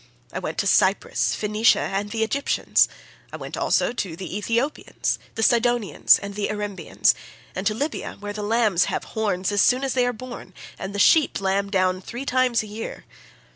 I went to Cyprus, Phoenicia and the Egyptians; I went also to the Ethiopians, the Sidonians, and the Erembians, and to Libya where the lambs have horns as soon as they are born, and the sheep lamb down three times a year.